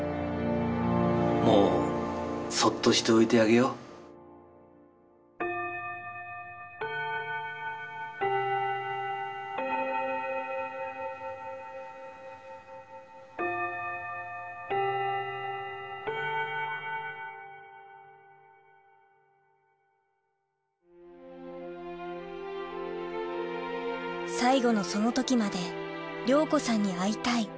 もうそっとしておいてあげようチャイム最期のその時まで「亮子さんに会いたい」